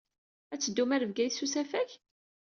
Ad teddumt ɣer Bgayet s usafag?